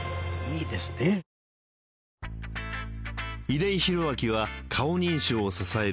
出井宏明は顔認証を支える